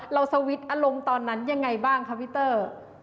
สวิตช์อารมณ์ตอนนั้นยังไงบ้างคะพี่เตอร์